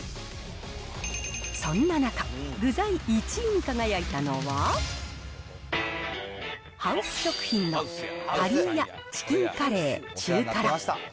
そんな中、具材１位に輝いたのは、ハウス食品のかりー屋チキンカレー中辛。